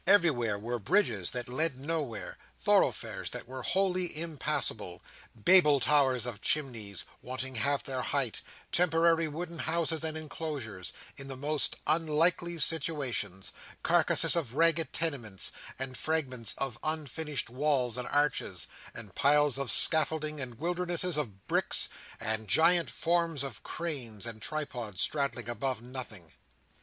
Everywhere were bridges that led nowhere; thoroughfares that were wholly impassable; Babel towers of chimneys, wanting half their height; temporary wooden houses and enclosures, in the most unlikely situations; carcases of ragged tenements, and fragments of unfinished walls and arches, and piles of scaffolding, and wildernesses of bricks, and giant forms of cranes, and tripods straddling above nothing.